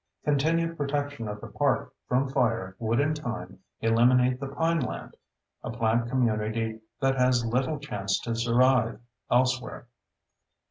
Continued protection of the park from fire would in time eliminate the pineland—a plant community that has little chance to survive elsewhere.